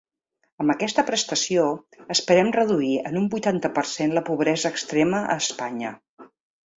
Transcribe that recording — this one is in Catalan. Amb aquesta prestació esperem reduir en un vuitanta per cent la pobresa extrema a Espanya.